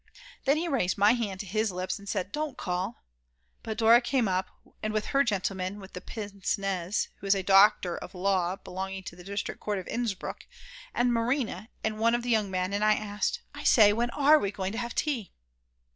Then he raised my hand to his lips and said: "Don't call!" But Dora came up, and with her the gentleman with the pincenez, who is a doctor of law belonging to the District Court of Innsbruck, and Marina and one of the young men, and I asked, "I say, when are we going to have tea?"